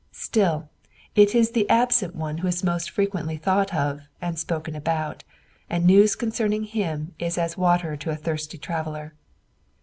Still, it is the absent one who is most frequently thought of and spoken about, and news concerning him is as water to a thirsty traveller.